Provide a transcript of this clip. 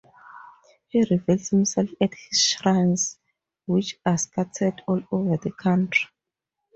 He reveals himself at his shrines which are scattered all over the country.